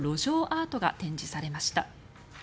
アートが展示されました。